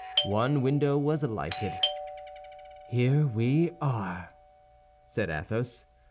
One window was lighted. "Here we are!" said Athos.